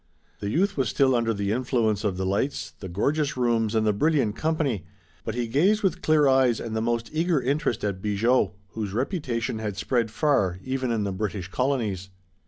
The youth was still under the influence of the lights, the gorgeous rooms and the brilliant company, but he gazed with clear eyes and the most eager interest at Bigot, whose reputation had spread far, even in the British colonies.